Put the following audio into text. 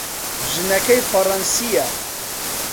ژنەکەی فەڕەنسییە.